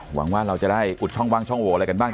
หวังว่าเราจะได้อุดช่องว่างช่องโหวอะไรกันบ้าง